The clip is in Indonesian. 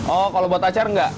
oh kalau buat acar nggak